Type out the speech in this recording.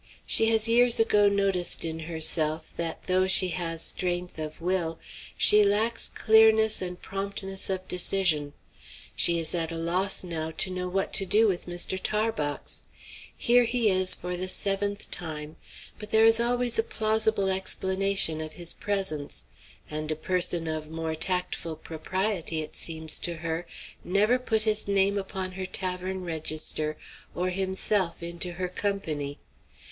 She has years ago noticed in herself, that, though she has strength of will, she lacks clearness and promptness of decision. She is at a loss, now, to know what to do with Mr. Tarbox. Here he is for the seventh time. But there is always a plausible explanation of his presence, and a person of more tactful propriety, it seems to her, never put his name upon her tavern register or himself into her company.